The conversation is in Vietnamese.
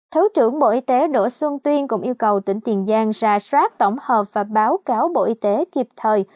thứ trưởng bộ y tế đỗ xuân tuyên cũng yêu cầu tỉnh tiền giang ra soát tổng hợp và báo cáo bộ y tế kịp thời